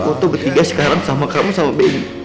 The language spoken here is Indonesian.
aku mau foto ketiga sekarang sama kamu sama bayi